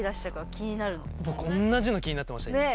僕同じの気になってました今。